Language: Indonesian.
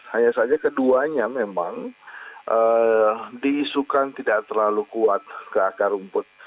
hanya saja keduanya memang diisukan tidak terlalu kuat ke akar rumput